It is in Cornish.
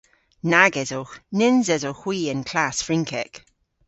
Nag esowgh. Nyns esowgh hwi y'n klass Frynkek.